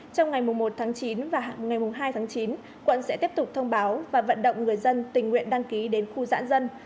trong ngày một tháng chín và ngày hai tháng chín quận sẽ tiếp tục thông báo và vận động người dân tình nguyện đăng ký đến khu giãn dân